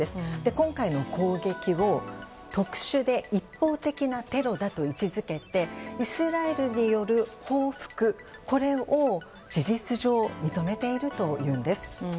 今回の攻撃を特殊で一方的なテロだと位置づけてイスラエルによる報復を事実上認めているというんです。